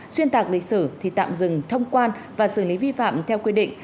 xuyên tạc lịch sử thì tạm dừng thông quan và xử lý vi phạm theo quy định